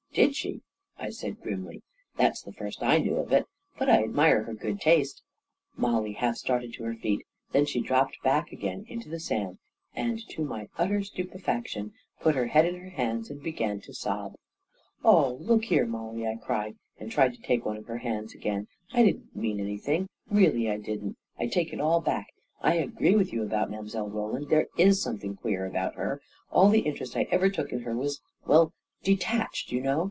" "Did she?" I said grimly. " That's the first I knew of it — but I admire her good taste! "» m Mollie half started to her feet; then she dropped back again into the sand, and, to my utter stupe j faction, pot her head in her hands and began to } e sob. \ j 11 Oh, look here, Mollie," I cried, and tried to 1 take one of her hands again, " I didn't mean any , thing, — really I didn't ! I take it all back. I agree J with you about Mile. Roland — there is something queer about her ! All the interest I ever took in her was — well — detached, you know.